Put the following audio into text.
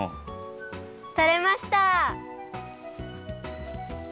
とれました！